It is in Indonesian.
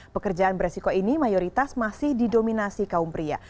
pekerjaan beresiko ini mayoritas masih didominasi kaum pria